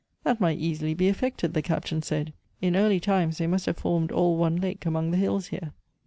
" That might easily be effected," the Captain said. " In early times they must have formed all one lake among the hills here."